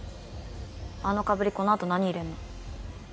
あの被りこのあと何入れんの？